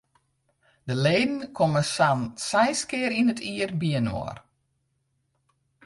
De leden komme sa'n seis kear yn it jier byinoar.